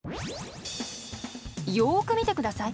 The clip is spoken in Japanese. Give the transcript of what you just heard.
よく見てください。